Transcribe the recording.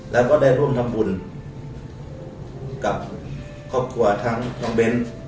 แล้วก็ได้ร่วมทำบุญกับครอบครัวทั้งน้องเบนส์